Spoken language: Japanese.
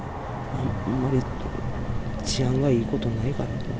あんまり治安がいいことないからな。